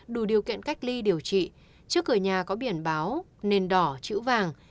đủ điều kiện cách ly điều trị trước cửa nhà có biển báo nền đỏ chữ vàng